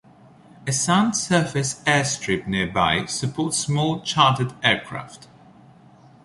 A sand surface airstrip nearby supports small chartered aircraft.